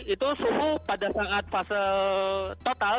itu suhu pada saat fase total